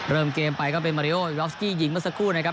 เริ่มเกมไปก็เป็นมาริโอรอฟสกี้ยิงเมื่อสักครู่นะครับ